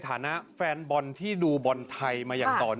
ถ้าแพ้หลังค่ะแพ้ได้แพ้ต้องโดน